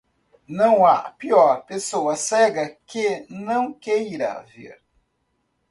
Não há pior pessoa cega que não queira ver.